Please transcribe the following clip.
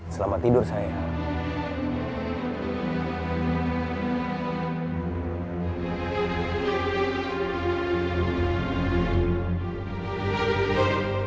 selamat tidur sayang